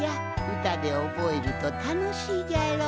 うたでおぼえるとたのしいじゃろ？